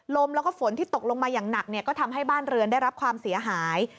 ลมแล้วก็ฝนที่ตกลงมาอย่างหนักก็ทำให้บ้านเรือนได้รับความเสียหาย